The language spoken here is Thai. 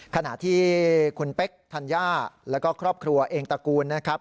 ขณะที่คุณเป๊กธัญญาแล้วก็ครอบครัวเองตระกูลนะครับ